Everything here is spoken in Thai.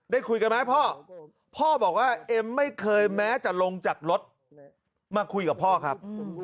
ได้คุยกันไหมพ่อพ่อบอกว่าเอ็มไม่เคยแม้จะลงจากรถมาคุยกับพ่อครับ